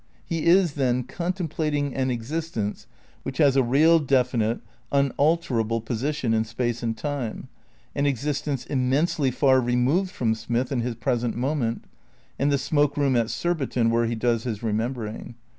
He is, then, con templating an existence which has a real, definite, un alterable position in space and time, an existence immensely far removed from Smith and his present moment, and the smoke room at Surbiton where he does his remembering.